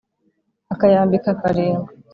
akayambika karindwi